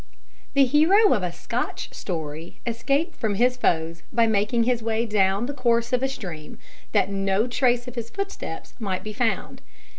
The hero of Scotch story escaped from his foes by making his way down the course of a stream, that no trace of his footsteps might be found.